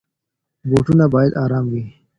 بوټونه بايد ارام وي.